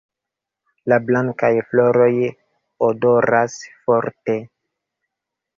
La blankaj floroj odoras forte.